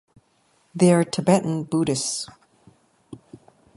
They are Tibetan Buddhists.